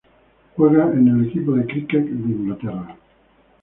Juega en el equipo de cricket de Inglaterra.